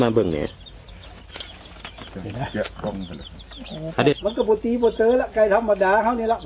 อันวัลกี้ใหม่ครับ